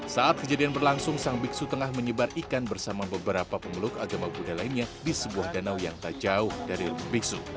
saat kejadian berlangsung sang biksu tengah menyebar ikan bersama beberapa pemeluk agama buddha lainnya di sebuah danau yang tak jauh dari biksu